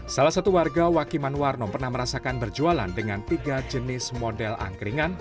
salah satu warga wakiman warno pernah merasakan berjualan dengan tiga jenis model angkringan